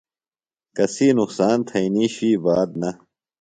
کسی نقصان تھئینی شوئی بات نہ۔